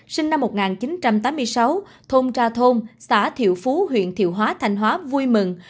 sinh năm một nghìn chín trăm tám mươi sáu thôn ra thôn xã thiệu phú huyện thiệu hóa thanh hóa vui mừng